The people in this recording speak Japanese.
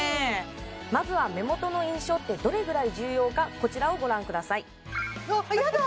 まずは目元の印象ってどれぐらい重要かこちらをご覧くださいあっあっやだ